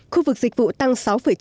khu vực dịch vụ tăng sáu chín mươi tám